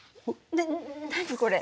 な何これ？